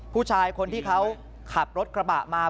ผู้ชายคนที่เขาขับรถกระบะมา